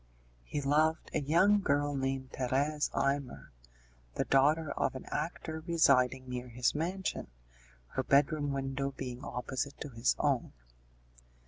He loved a young girl named Thérèse Imer, the daughter of an actor residing near his mansion, her bedroom window being opposite to his own.